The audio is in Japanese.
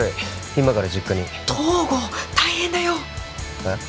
今から実家に東郷大変だよえっ？